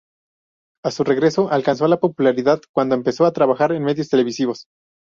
A su regreso alcanzó la popularidad cuando empezó a trabajar en medios televisivos.